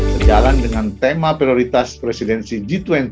sejalan dengan tema prioritas presidensi g dua puluh